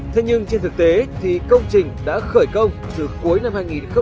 thế nhưng trên thực tế thì công trình đã khởi công từ cuối năm hai nghìn một mươi bảy